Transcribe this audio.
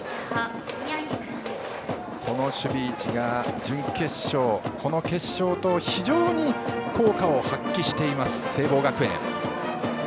この守備位置が準決勝この決勝と非常に効果を発揮している聖望学園。